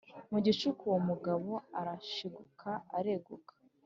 Mu gicuku uwo mugabo arashiguka areguka